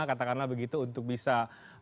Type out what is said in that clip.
katakanlah begitu untuk bisa